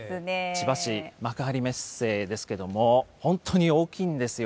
千葉市幕張メッセなんですけれども、本当に大きいんですよ。